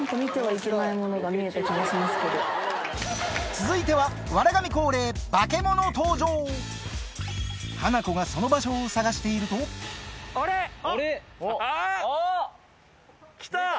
続いては『笑神』恒例その場所を探しているとあれ？来た！